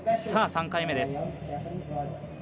さあ、３回目です。